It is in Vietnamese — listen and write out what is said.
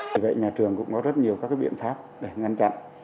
vì vậy nhà trường cũng có rất nhiều các biện pháp để ngăn chặn